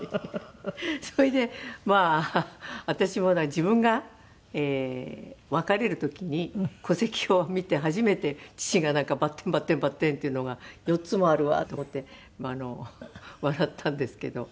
それで私も自分が別れる時に戸籍を見て初めて父がバッテンバッテンバッテンっていうのが４つもあるわと思って笑ったんですけど。